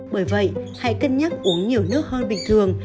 bởi vậy hãy cân nhắc uống nhiều nước hơn bình thường